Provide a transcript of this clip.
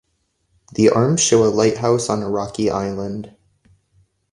The arms show a lighthouse on a rocky island.